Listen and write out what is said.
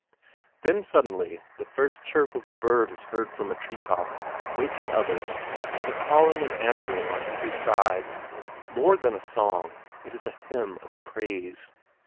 Then suddenly the first chirp of a bird is heard from a treetop, waking others, and a calling and answering on every side; more than a song, it is a hymn of praise.